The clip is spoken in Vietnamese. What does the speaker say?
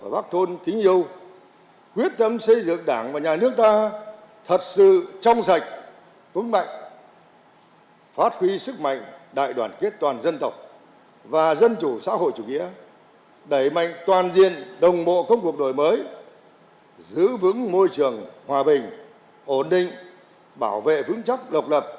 giữ vững môi trường hòa bình ổn định bảo vệ vững chắc lộc lập